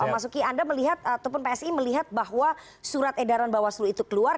mas uki anda melihat ataupun psi melihat bahwa surat edaran bawaslu itu keluar